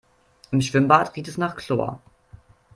Im Schwimmbad riecht es nach Chlor.